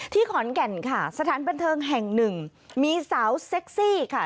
ขอนแก่นค่ะสถานบันเทิงแห่งหนึ่งมีสาวเซ็กซี่ค่ะ